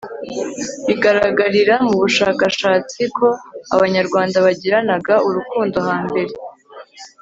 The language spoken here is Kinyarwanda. bigaragarira m'ubushakashatsi ko abanyarwanda bagiranaga urukundo hambere